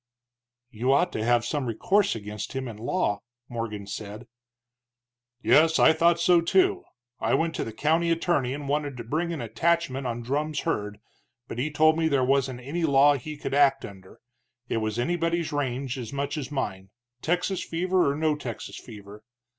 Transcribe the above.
"You ought to have some recourse against him in law," Morgan said. "Yes, I thought so, too. I went to the county attorney and wanted to bring an attachment on Drumm's herd, but he told me there wasn't any law he could act under, it was anybody's range as much as mine, Texas fever or no Texas fever.